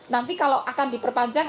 nanti kalau akan diperpanjang